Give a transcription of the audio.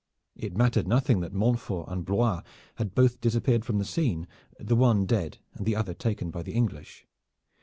It mattered nothing that Montfort and Blois had both disappeared from the scene, the one dead and the other taken by the English.